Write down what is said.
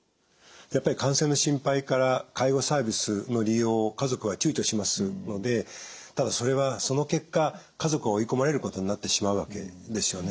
やっぱり感染の心配から介護サービスの利用を家族はちゅうちょしますのでただそれはその結果家族は追い込まれることになってしまうわけですよね。